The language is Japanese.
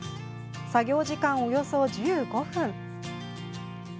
作業時間、およそ１５分。